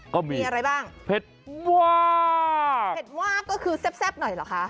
ก็มีเผ็ดว่าเผ็ดว่าก็คือแซ่บหน่อยเหรอคะ